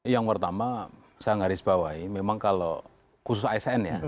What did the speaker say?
yang pertama saya garis bawahi memang kalau khusus asn ya